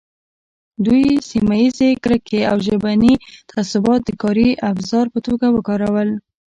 دوی سیمه ییزې کرکې او ژبني تعصبات د کاري ابزار په توګه وکارول.